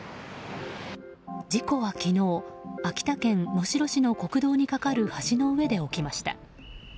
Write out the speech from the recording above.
事故は昨日、秋田県能代市の国道に架かる橋の上で起きました。